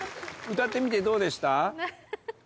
歌ってみてどうでした？